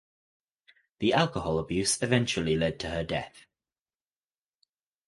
The alcohol abuse eventually led to her death.